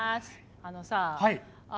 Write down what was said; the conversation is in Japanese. あのさあ。